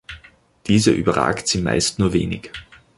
Diese überragt sie meist nur wenig.